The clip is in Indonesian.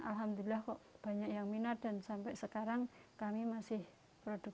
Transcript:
alhamdulillah kok banyak yang minat dan sampai sekarang kami masih produksi masker tersebut